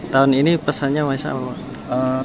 tahun ini pesannya wesap apa pak